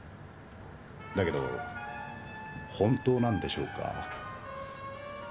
だけど本当なんでしょうか？